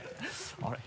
あれ？